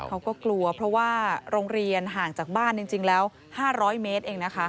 เขาก็กลัวเพราะว่าโรงเรียนห่างจากบ้านจริงแล้ว๕๐๐เมตรเองนะคะ